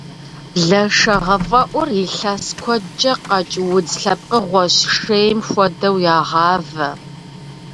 Блэшэгъэфӏэӏур илъэс куэдкӏэ къэкӏ удз лъэпкъыгъуэщ, шейм хуэдэу ягъавэ.